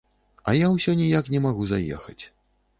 А я ўсё ніяк не магу заехаць.